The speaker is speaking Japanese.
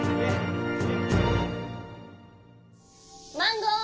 マンゴー！